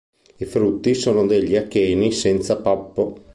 I frutti sono degli acheni senza pappo.